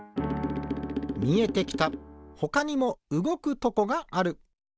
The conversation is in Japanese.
みえてきたほかにもうごくとこがある。